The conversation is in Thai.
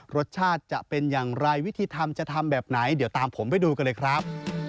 รสชาติจะเป็นอย่างไรวิธีทำจะทำแบบไหนเดี๋ยวตามผมไปดูกันเลยครับ